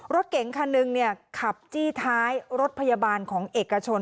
รถเก๋งคันหนึ่งขับจี้ท้ายรถพยาบาลของเอกชน